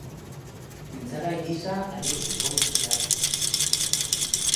Mintzagai gisa ageri ohi dira.